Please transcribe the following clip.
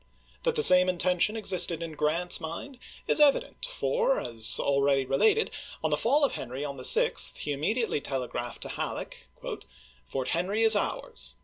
That the same intention existed in Grant's mind is evident, for, as already re lated, on the fall of Henry on the 6th he immediately telegraphed to Halleck, "Fort Henry is ours.